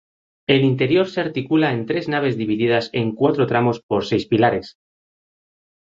El interior se articula en tres naves divididas en cuatro tramos por seis pilares.